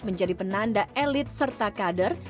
menjadi penanda elit serta kader